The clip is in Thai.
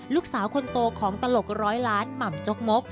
ลูกสาวคนโตของตลกร้อยล้านหม่ำจกมก